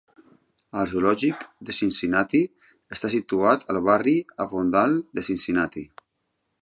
El zoològic de Cincinnati està situat al barri Avondale de Cincinnati.